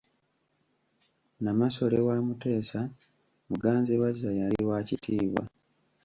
Namasole wa Mutesa, Muganzirwazza, yali wa kitiibwa.